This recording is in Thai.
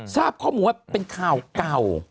ทราบข้อมูลว่าเป็นข่าวเก่า